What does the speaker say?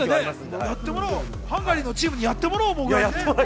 ハンガリーのチームにやってもらおう。